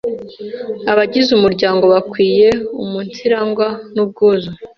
Abagize umuryango bakwiye umunsirangwa n’ubwuzu